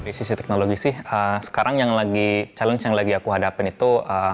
dari sisi teknologi sih sekarang yang lagi challenge yang lagi aku hadapin itu